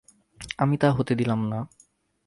আমি তা হতে দিলাম না।